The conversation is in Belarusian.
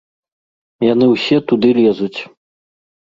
Яны ўсе туды лезуць.